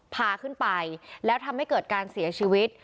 พาขึ้นไปแล้วทำให้เกิดการเสียชีวิต